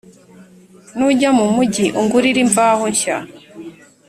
- nujya mu mugi ungurire imvaho nshya.